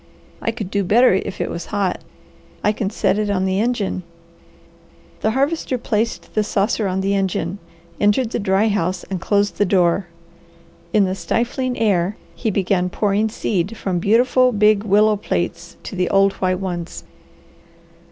I could do better if it was hot. I can set it on the engine." The Harvester placed the saucer on the engine, entered the dry house, and closed the door. In the stifling air he began pouring seed from beautiful, big willow plates to the old white ones.